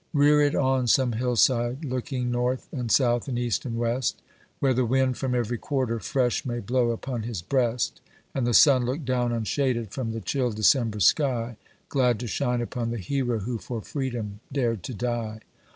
Rear it on some hill side looking North and South and East and West, Where the wind from every quarter fresh may blow upon his breast, And the sun look down unshaded from the chili December sky, Glad to shine upon the hero who for Freedom dared to die